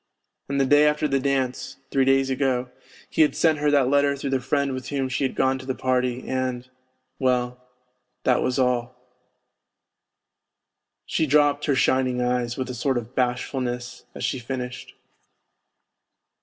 And the day after the dance (three days ago) he had sent her that letter through the friend with whom she had gone to the party ... and ... well, that was all." She dropped her shining eyes with a sort of bashfulness as she finished.